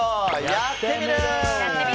「やってみる。」。